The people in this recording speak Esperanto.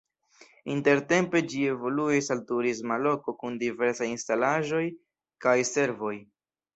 Intertempe ĝi evoluis al turisma loko kun diversaj instalaĵoj kaj servoj.